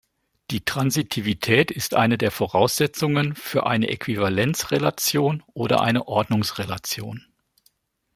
Die Transitivität ist eine der Voraussetzungen für eine Äquivalenzrelation oder eine Ordnungsrelation.